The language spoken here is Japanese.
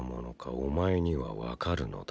お前にはわかるのだな。